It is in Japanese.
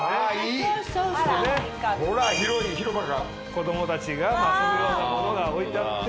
子供たちが遊ぶようなものが置いてあって。